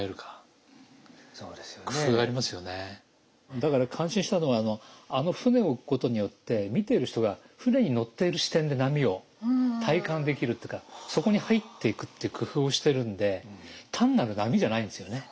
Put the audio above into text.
だから感心したのはあの舟を置くことによって見ている人が舟に乗っている視点で波を体感できるっていうかそこに入っていくっていう工夫をしてるんで単なる波じゃないんですよね。